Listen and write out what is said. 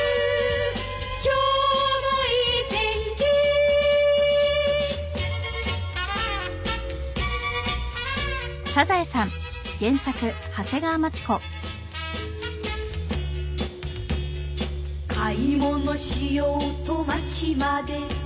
「今日もいい天気」「買い物しようと街まで」